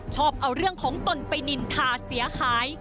ชอบเอาเรื่องของตนไปนินทาเสียหาย